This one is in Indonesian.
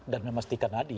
dan memastikan hadir